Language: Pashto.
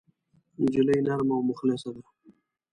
نجلۍ نرمه او مخلصه ده.